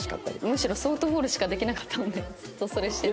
むしろソフトボールしかできなかったのでずっとそれしてた。